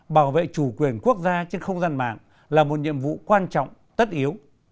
bảo vệ chủ quyền quốc gia trên không gian mạng là một nhiệm vụ quan trọng tất yếu